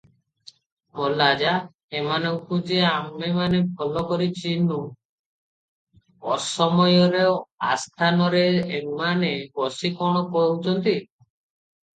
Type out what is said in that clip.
ମଲା-ଯା! ଏମାନଙ୍କୁ ଯେ ଆମେମାନେ ଭଲ କରି ଚିହ୍ନୁ! ଅସମୟରେ ଆସ୍ଥାନରେ ଏମାନେ ବସି କଣ କହୁଛନ୍ତି?